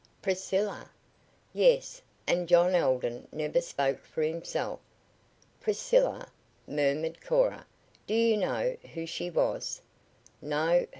"Priscilla?" "Yes; and John Alden never spoke for himself." "Priscilla," murmured Cora. "Do you know who she was?" "No.